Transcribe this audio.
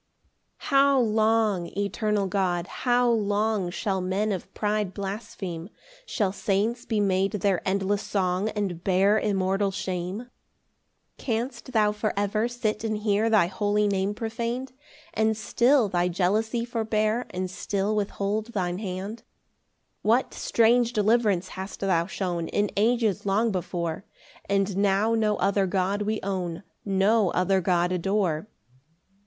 PAUSE. 9 How long, eternal God, how long Shall men of pride blaspheme? Shall saints be made their endless song, And bear immortal shame? 10 Canst thou for ever sit and hear Thine holy Name profan'd? And still thy jealousy forbear, And still withhold thine hand? 11 What strange deliverance hast thou shown In ages long before! And now no other God we own, No other God adore.